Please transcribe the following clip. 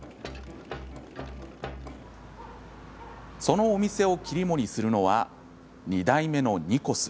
そのお店を切り盛りするのは２代目のニコス。